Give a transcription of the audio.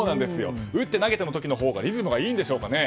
打って投げてる時のほうがリズムがいいんですかね。